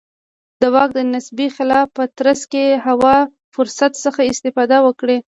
د واک د نسبي خلا په ترڅ کې هوا فرصت څخه استفاده وکړه.